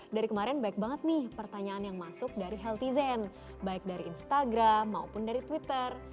dari kemarin baik banget nih pertanyaan yang masuk dari healthy zen baik dari instagram maupun dari twitter